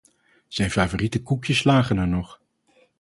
Zijn favoriete koekjes lagen er nog.